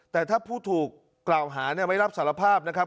แต่ถ้าผู้ถูกกล่าวหาไม่รับสารภาพนะครับ